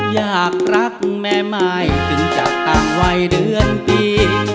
อยากรักแม่ไม้เป็นจากต่างวัยเดือนปี